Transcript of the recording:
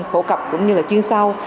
phổ cập cũng như là chuyên sau